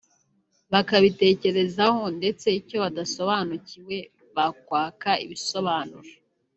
bakabitekerezaho ndetse icyo badasobanukiwe bakwaka ibisobanuro